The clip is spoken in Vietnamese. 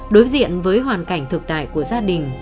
đối diện với hoàn cảnh thực tài của gia đình